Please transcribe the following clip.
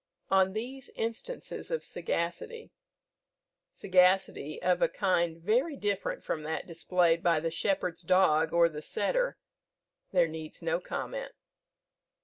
On these instances of sagacity (sagacity of a kind very different from that displayed by the shepherd's dog or the setter) there needs no comment.